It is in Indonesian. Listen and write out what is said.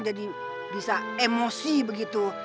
jadi bisa emosi begitu